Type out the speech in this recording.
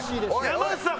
山内さん！